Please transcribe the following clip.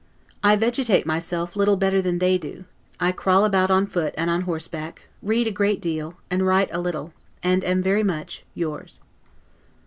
I vegetate myself little better than they do; I crawl about on foot and on horseback; read a great deal, and write a little; and am very much yours.